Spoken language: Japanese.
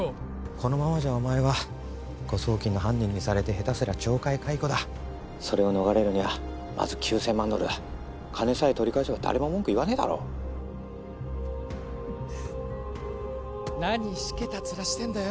このままじゃお前は誤送金の犯人にされて下手すりゃ懲戒解雇だ☎それを逃れるにはまず９千万ドルだ☎金さえ取り返せば誰も文句言わねえだろ何しけたツラしてんだよ